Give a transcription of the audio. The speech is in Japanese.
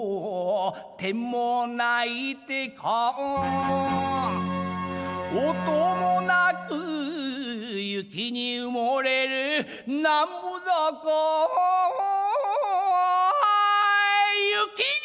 「天も泣いてか音もなく」「雪にうもれる南部坂」「雪に」